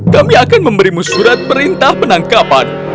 kami akan memberimu surat perintah penangkapan